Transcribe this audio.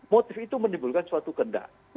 motif itu menimbulkan suatu kendak